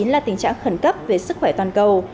là tình trạng khẩn cấp về sức khỏe toàn cầu